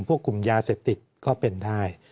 พวกกลุ่มยาเสพติดก็เป็นได้